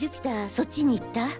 そっちに行った？